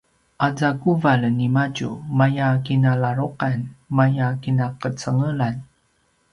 aza quvalj nimadju maya kinaladruqan maya kinaqecengelan